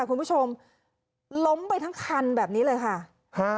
คุณผู้ชมล้มไปทั้งคันแบบนี้เลยค่ะฮะ